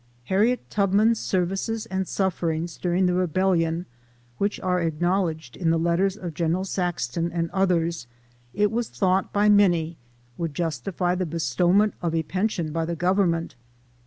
Harriet Tubman's services and sufferings during the rebellion, which are acknowledged in the letters of Gen. Saxton, and others, it was thought by many, would justify the bestowment of a pension by the Government.